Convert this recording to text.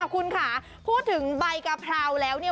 คุณค่ะพูดถึงใบกะเพราแล้วเนี่ย